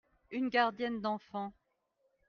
une gardienne d'enfants.